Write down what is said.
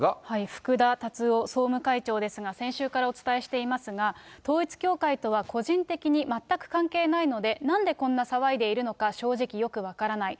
福田達夫総務会長ですが、先週からお伝えしていますが、統一教会とは個人的に全く関係ないので、なんでこんな騒いでいるのか、正直よく分からない。